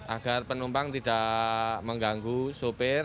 agar penumpang tidak mengganggu sopir